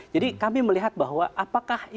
jadi dimana pada masa tadi